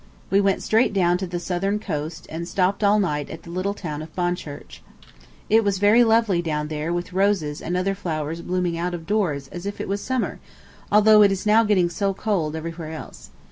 We went straight down to the southern coast, and stopped all night at the little town of Bonchurch. It was very lovely down there with roses and other flowers blooming out of doors as if it was summer, although it is now getting so cold everywhere else.